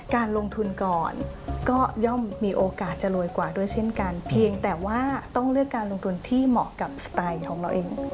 การลงทุนก่อนก็ย่อมมีโอกาสจะรวยกว่าด้วยเช่นกันเพียงแต่ว่าต้องเลือกการลงทุนที่เหมาะกับสไตล์ของเราเอง